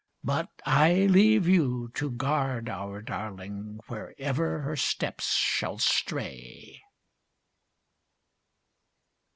But I leave you to guard our darling, Wherever her steps shall stray."